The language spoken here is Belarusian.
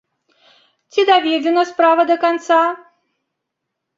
Ці даведзена справа да канца?